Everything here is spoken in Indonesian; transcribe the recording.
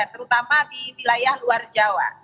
terutama di wilayah luar jawa